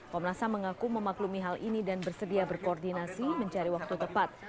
komnas ham mengaku memaklumi hal ini dan bersedia berkoordinasi mencari waktu tepat